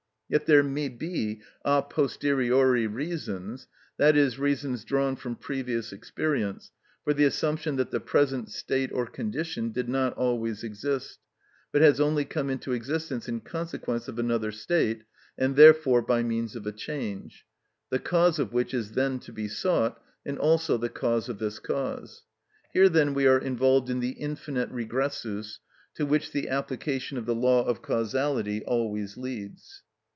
Yet there may be a posteriori reasons, that is, reasons drawn from previous experience, for the assumption that the present state or condition did not always exist, but has only come into existence in consequence of another state, and therefore by means of a change, the cause of which is then to be sought, and also the cause of this cause. Here then we are involved in the infinite regressus to which the application of the law of causality always leads.